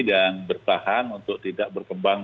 dan bertahan untuk tidak berkembang